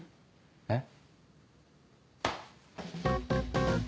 えっ？